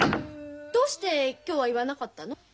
どうして今日は言わなかったの？